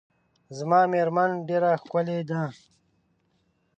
زما میرمن ډیره ښکلې ده .